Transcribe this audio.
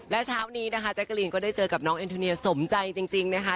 และเช้านี้นะคะแจ๊กกะลีนก็ได้เจอกับน้องเอ็นโทเนียสมใจจริงนะคะ